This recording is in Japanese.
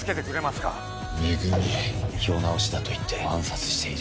世直しだと言って暗殺している。